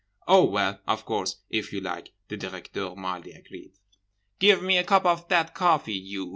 —'Oh, well, of course, if you like,' the Directeur mildly agreed. 'Give me a cup of that coffee, you!